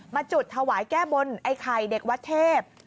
จุดถวายแก้บนไอ้ไข่เด็กวัดเทพ